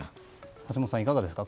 橋下さん、いかがですか？